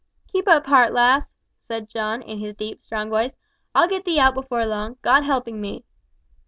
"Keep up heart, lass!" said John, in his deep, strong voice. "I'll get thee out before long God helping me."